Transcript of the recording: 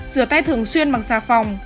rửa tay thường xuyên bằng xà phòng